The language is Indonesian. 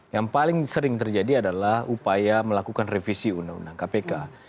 yang paling sering terjadi adalah upaya melakukan revisi undang undang kpk